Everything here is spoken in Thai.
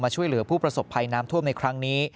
ช่วยเหลือผู้ประสบภัยน้ำท่วมในครั้งนี้